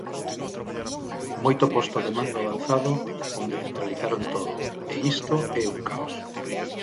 Moito posto de mando avanzado, onde centralizaron todo, e isto é un caos.